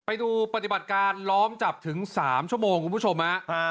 ไปดูปฏิบัติการล้อมจับถึง๓ชั่วโมงคุณผู้ชมฮะ